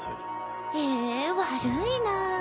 え悪いな。